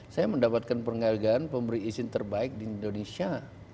saya mendapatkan penghargaan pemberi izin terbaik di indonesia